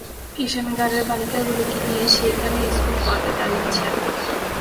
কিষেনগড়ের বালিকাগুলিকে নিয়ে সেইখানেই স্কুল করবে তার ইচ্ছা।